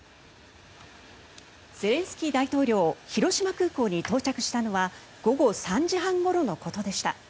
ゼレンスキー大統領広島空港に到着したのは午後３時半ごろのことでした。